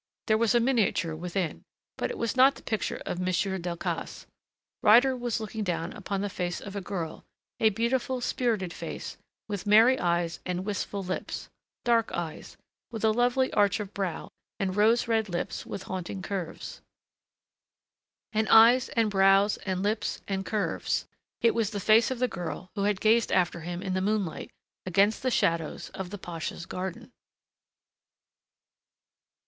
There was a miniature within, but it was not the picture of Monsieur Delcassé. Ryder was looking down upon the face of a girl, a beautiful, spirited face, with merry eyes and wistful lips dark eyes, with a lovely arch of brow, and rose red lips with haunting curves. And eyes and brows and lips and curves, it was the face of the girl who had gazed after him in the moonlight against the shadows of the pasha's garden.